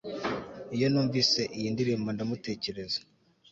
Iyo numvise iyi ndirimbo ndamutekereza